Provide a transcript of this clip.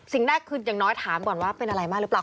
สิ่งแรกคืออย่างน้อยถามก่อนว่าเป็นอะไรมากหรือเปล่า